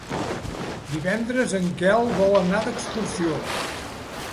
Divendres en Quer vol anar d'excursió.